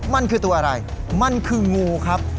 มันคือตัวอะไรมันคืองูครับ